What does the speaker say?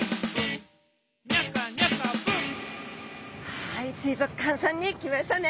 はい水族館さんに来ましたね。